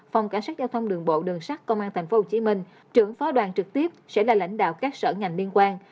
phòng cảnh sát giao thông đường bộ đường sát công an tp hcm trưởng phó đoàn trực tiếp sẽ là lãnh đạo các sở ngành liên quan